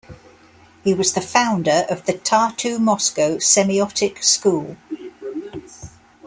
He was the founder of the Tartu-Moscow Semiotic School.